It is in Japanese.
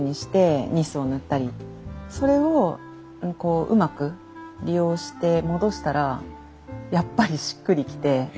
それをうまく利用して戻したらやっぱりしっくりきて。